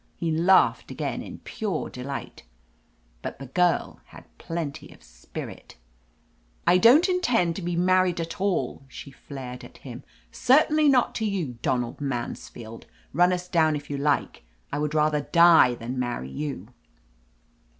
He laughed again in pure delight. But the girl had plenty of spirit. "I don't intend to be married at all," she flared at him. "Certainly not to you, Donald Mansfield. Run us down if you like. I would rather die than marry you."